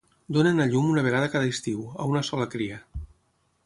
Donen a llum una vegada cada estiu, a una sola cria.